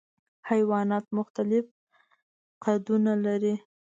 حیوانات مختلف قدونه لري.